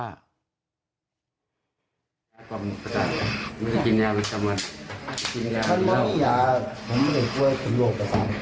โดยถึงโหลประตั้ง